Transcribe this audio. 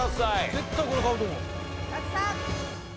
絶対これ買うと思う。